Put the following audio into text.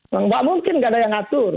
mbak mungkin gak ada yang ngatur